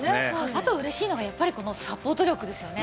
あとうれしいのがやっぱりこのサポート力ですよね。